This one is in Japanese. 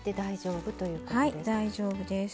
はい大丈夫です。